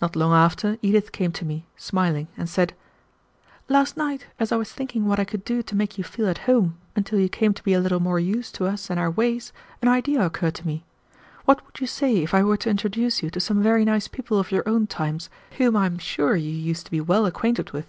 Not long after, Edith came to me, smiling, and said: "Last night, as I was thinking what I could do to make you feel at home until you came to be a little more used to us and our ways, an idea occurred to me. What would you say if I were to introduce you to some very nice people of your own times, whom I am sure you used to be well acquainted with?"